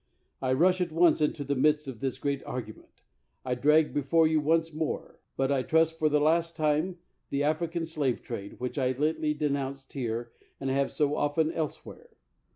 I rush at once into the midst of this great argument — I drag before you once more, but I trust for the last time, the African slave trade, which I lately denounced here, and have so often elsewhere.